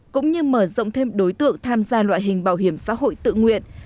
cũng như mở rộng thêm đối tượng tham gia loại hình bảo hiểm xã hội tự nguyện